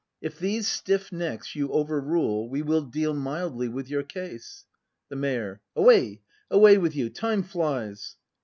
] If these stiff necks you overrule We will deal mildly with your case. The Mayor. Away — away with you! time flies!